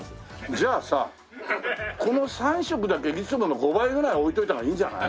じゃあさこの３色だけいつもの５倍ぐらい置いといた方がいいんじゃない？